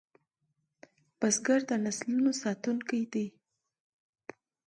بزګر د نسلونو ساتونکی دی